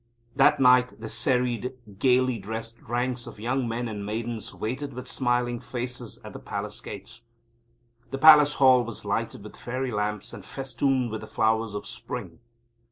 That night the serried, gaily dressed ranks of young men and maidens waited with smiling faces at the Palace Gates. The Palace Hall was lighted with fairy lamps and festooned with the flowers of spring.